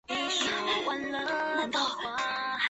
田端新町是东京都北区的町名。